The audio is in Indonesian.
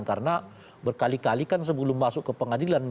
karena berkali kali kan sebelum masuk ke pengadilan